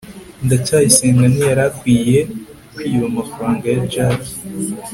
ndacyayisenga ntiyari akwiye kwiba amafaranga ya jaki